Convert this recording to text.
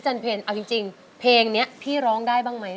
แทนที่๖